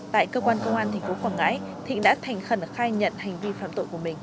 tại cơ quan công an tp quảng ngãi thịnh đã thành khẩn khai nhận hành vi phạm tội của mình